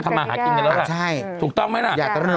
โทษทีน้องโทษทีน้อง